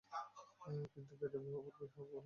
কিন্তু বেদে বহু পূর্বে ইহা বলা হইয়াছে।